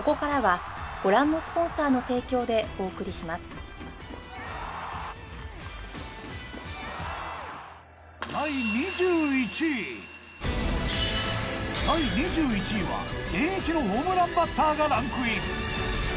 ずっと本当に第２１位は現役のホームランバッターがランクイン。